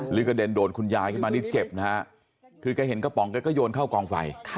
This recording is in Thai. กระเด็นโดดคุณยายขึ้นมานี่เจ็บนะฮะคือแกเห็นกระป๋องแกก็โยนเข้ากองไฟ